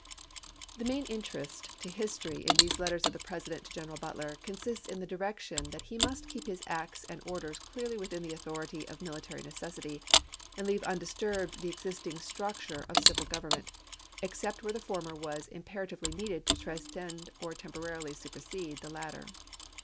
The main interest to history in these letters of the President to General Butler consists in the direction that he must keep his acts and orders clearly within the authority of military necessity, and leave undisturbed the existing structure of civil government, except where the former was KECONSTKUCTION 445 imperatively needed to transcend or temporarily chap.xix. supersede the latter.